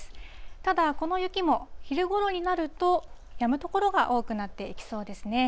ただ、この雪も昼ごろになるとやむ所が多くなっていきそうですね。